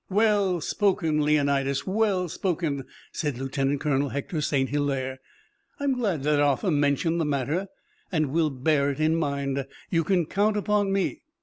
"Well spoken, Leonidas! Well spoken!" said Lieutenant Colonel Hector St. Hilaire. "I'm glad that Arthur mentioned the matter, and we'll bear it in mind. You can count upon me."